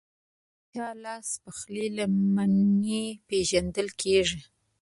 د چا لاسپخلی له مینې پیژندل کېږي.